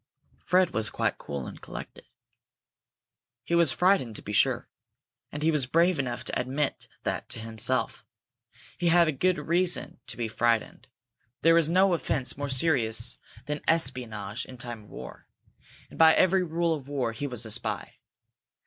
Fred was quite cool and collected. He was frightened, to be sure, and he was brave enough to admit that to himself. He had good reason to be frightened. There is no offence more serious than espionage in time of war, and by every rule of war he was a spy.